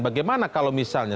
bagaimana kalau misalnya